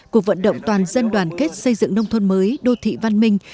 cuộc vận động toàn dân đoàn kết xây dựng nông thôn mới đô thị văn minh